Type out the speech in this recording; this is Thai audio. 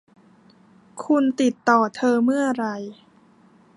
คุณติดต่อเธอเมื่อไหร่